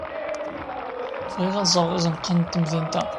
Bɣiɣ ad ẓreɣ izenqan n temdint-a.